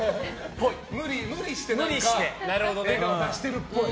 無理して何か笑顔を出してるっぽい。